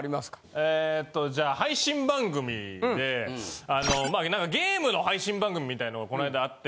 えっとじゃあ配信番組であのゲームの配信番組みたいなのこの間あって。